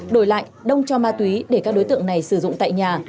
đổi lại đông cho ma túy để các đối tượng này sử dụng tại nhà